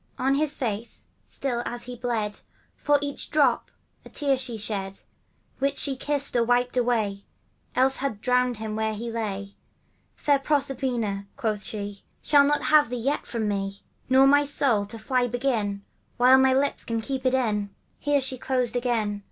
On his face, still as he bled, For each drop a tear she shed, Which she kissed or wiped away, Else had drowned him where he lay. * Fair Proserpina,' quoth she, ' Shall not have thee yet from me ; Nor thy soul, to fly begin ; While my lips can keep it in !' Here she ceased again.